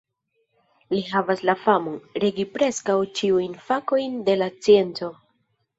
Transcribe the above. Li havis la famon, regi preskaŭ ĉiujn fakojn de la scienco.